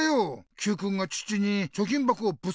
Ｑくんがチッチにちょきんばこをぶつけたからね。